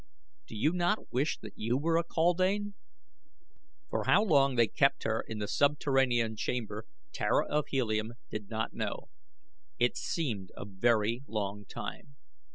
Do you not wish that you were a kaldane?" For how long they kept her in the subterranean chamber Tara of Helium did not know. It seemed a very long time.